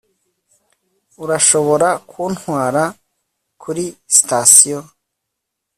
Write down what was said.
urashobora kuntwara kuri sitasiyo